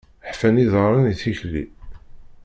Ḥfan iḍarren i tikli.